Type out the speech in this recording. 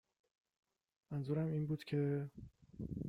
.. منظورم این بود که